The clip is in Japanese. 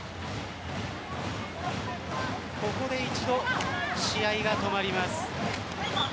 ここで一度試合が止まります。